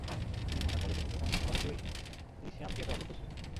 তিনি ঢাকা কলেজ এবং জগন্নাথ কলেজেরইলিশিয়াম থিয়েটার অধ্যক্ষ ছিলেন।